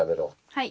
はい。